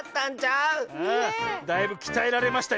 ⁉ああだいぶきたえられましたよ。